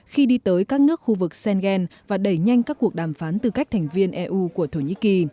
khi đi tới các nước khu vực schengen và đẩy nhanh các cuộc đàm phán tư cách thành viên eu của thổ nhĩ kỳ